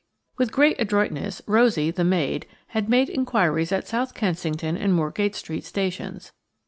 With great adroitness Rosie, the maid, had made inquiries at South Kensington and Moorgate Street stations.